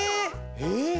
え！